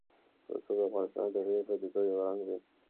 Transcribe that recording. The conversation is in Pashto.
رسوب د افغانستان د طبیعي پدیدو یو رنګ دی.